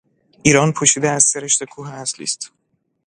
ایران پوشیده از سه رشته کوه اصلی است.